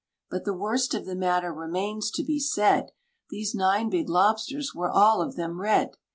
But the worst of the matter remains to be said. These nine big lobsters were all of them red.